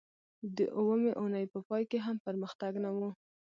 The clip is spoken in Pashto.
د اوومې اونۍ په پای کې هم پرمختګ نه و